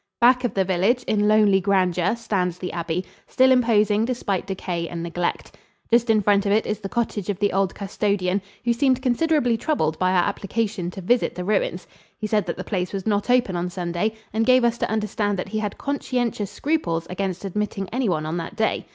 Back of the village, in lonely grandeur, stands the abbey, still imposing despite decay and neglect. Just in front of it is the cottage of the old custodian, who seemed considerably troubled by our application to visit the ruins. He said that the place was not open on Sunday and gave us to understand that he had conscientious scruples against admitting anyone on that day.